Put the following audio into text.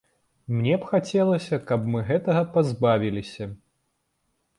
Мне б хацелася, каб мы гэтага пазбавіліся.